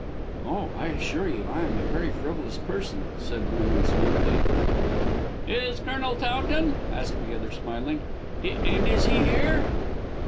"Oh, I assure you I am a very frivolous person," said Vernon smoothly. "Is Colonel Towton?" asked the other smiling; "and is he here?"